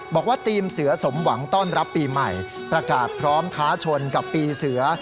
บอกว่าทีมเสือสมหวังต้อนรับปีใหม่ประกาศพร้อมท้าชนกับปีเสือ